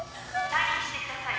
退避してください。